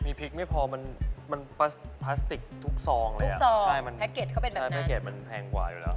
มีพริกมันพลาสติกทุกสองเลย